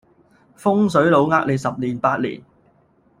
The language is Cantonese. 風水佬呃你十年八年